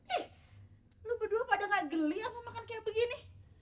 eh lu berdua pada gak geli aku makan kayak begini